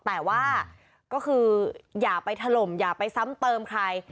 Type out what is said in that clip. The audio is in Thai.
แต่ว่าก็คืออย่าไปถล่มอย่าไปซ้ำเติมใคร